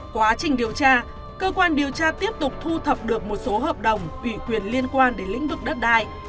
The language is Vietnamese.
quá trình điều tra cơ quan điều tra tiếp tục thu thập được một số hợp đồng ủy quyền liên quan đến lĩnh vực đất đai